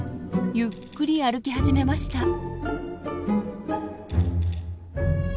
ゆっくり歩き始めました。